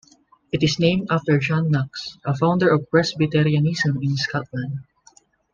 It is named after John Knox, a founder of Presbyterianism in Scotland.